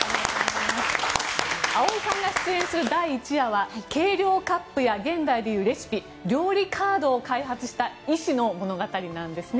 葵さんが出演する第１夜は計量カップや現代でいうレシピ料理カードを開発した医師の物語なんですね。